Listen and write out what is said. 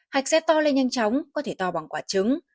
hạch sẽ to lên nhanh chóng có thể to bằng quả trứng